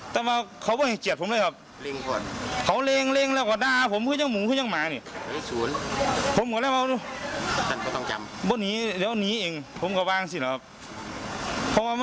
พ่อฝ่ายชายค่ะพ่อในโน่งอายุ๕๘